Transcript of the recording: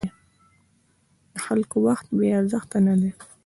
د خلکو وخت بې ارزښته نه دی.